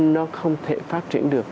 nó không thể phát triển được